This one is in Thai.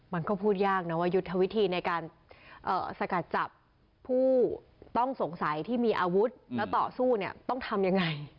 มันก็พูดยากนะว่ายุทธวิธีในการสกัดจับผู้ต้องสงสัยที่มีอาวุธแล้วต่อสู้เนี่ยต้องทำยังไง